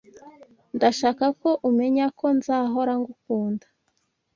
Ndashaka ko umenya ko nzahora ngukunda.